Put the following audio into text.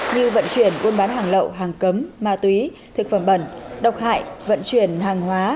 như vận chuyển buôn bán hàng lậu hàng cấm ma túy thực phẩm bẩn độc hại vận chuyển hàng hóa